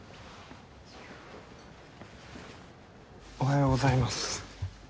おはようございます。